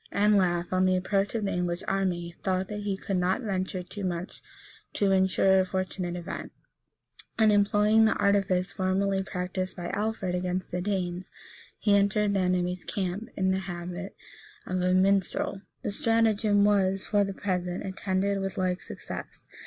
Anlaf, on the approach of the English army, thought that he could not venture too much to insure a fortunate event, and employing the artifice formerly practised by Alfred against the Danes, he entered the enemy's camp, in the habit of a minstrel. The stratagem was, for the present, attended with like success.